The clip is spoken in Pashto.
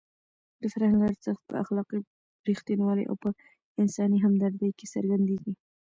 د فرهنګ ارزښت په اخلاقي رښتینولۍ او په انساني همدردۍ کې څرګندېږي.